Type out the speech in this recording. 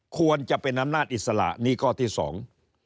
ควรจะเป็นอำนาจอิสระนี่ข้อที่สอง